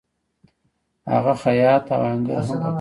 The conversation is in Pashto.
هغه خیاط او آهنګر هم په کار اچوي